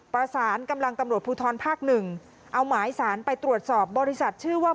ประสานกำลังตำรวจภูทรภาคหนึ่งเอาหมายสารไปตรวจสอบบริษัทชื่อว่า